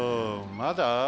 まだ？